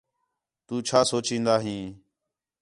تُو چَھا سوچین٘دا ہیں